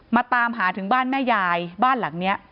มาตามหาถึงบ้านแม่ยายบ้านหลังนี้